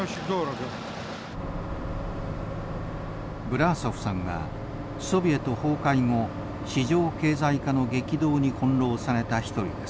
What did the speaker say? ブラーソフさんはソビエト崩壊後市場経済化の激動に翻弄された一人です。